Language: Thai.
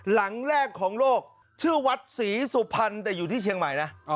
หลังแรกของโลกชื่อวัดศรีสุพรรณแต่อยู่ที่เชียงใหม่นะ